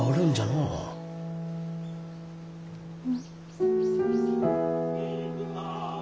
うん。